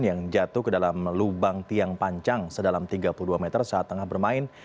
yang jatuh ke dalam lubang tiang panjang sedalam tiga puluh dua meter saat tengah bermain